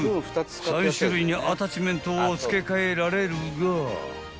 ［３種類のアタッチメントを付け替えられるが］